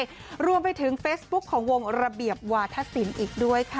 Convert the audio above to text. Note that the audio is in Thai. น้องเอกรวมไปถึงเฟซบุ๊กของวงระเบียบวาทธสินอีกด้วยค่ะ